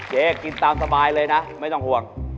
กินตามสบายเลยนะไม่ต้องห่วง